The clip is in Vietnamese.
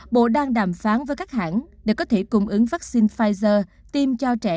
bộ đang đàm phán với các hãng để có thể cung ứng vaccine pfizer tiêm cho trẻ